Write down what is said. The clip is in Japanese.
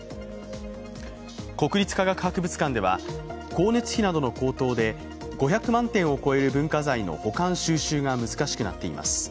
国立科学博物館では、光熱費などの高騰で５００万点を超える文化財の保管収集が難しくなっています。